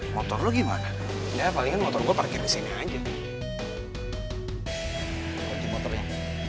motor lo gimana ya palingan motor gue parkir di sini aja motornya